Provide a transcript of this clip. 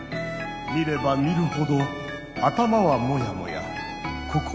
見れば見るほど頭はモヤモヤ心もモヤモヤ。